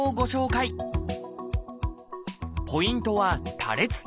ポイントは「多裂筋」。